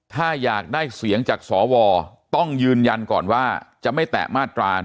ถ้าอยากได้เสียงจากสวต้องยืนยันก่อนว่าจะไม่แตะมาตรา๑๑